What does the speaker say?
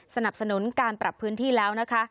สนับสนุนการปรับพื้นที่แล้วนะคะ